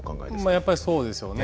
やっぱりそうですよね。